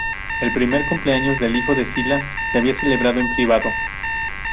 El primer cumpleaños del hijo de Sila se había celebrado en privado.